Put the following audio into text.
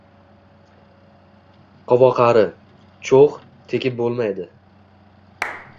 Qovoqari – cho’g’, tegib bo’lmaydi.